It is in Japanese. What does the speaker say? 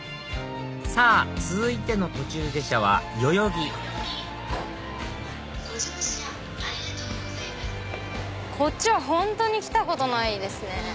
さぁ続いての途中下車は代々木こっちは本当に来たことないですね。